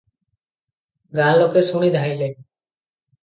ଗାଁ ଲୋକେ ଶୁଣି ଧାଇଁଲେ ।